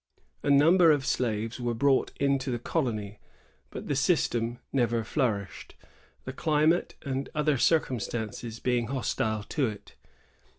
^ A number of slaves were brought into the colony; but the system never flourished, the climate and other circumstances being hostile to it.